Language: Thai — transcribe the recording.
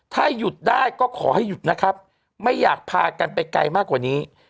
ถ้าหยุดได้ก็ขอให้หยุดนะครับไม่อยากพากันไปไกลมากกว่านี้